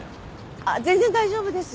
あっ全然大丈夫です。